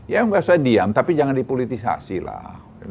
ya nggak usah diam tapi jangan dipolitisasi lah